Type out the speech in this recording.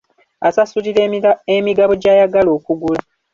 Asasulira emigabo gy'ayagala okugula.